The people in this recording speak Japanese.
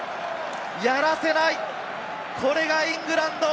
やらせない、これがイングランド。